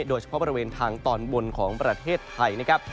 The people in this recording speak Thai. โดยเฉพาะบริเวณทางตอนบนของประเทศไทยนะครับ